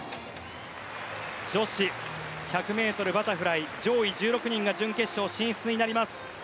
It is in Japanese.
女子１００ｍバタフライ上位１６人が準決勝進出になります。